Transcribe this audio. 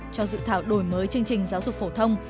cho dự thảo đổi mới chương trình giáo dục phổ thông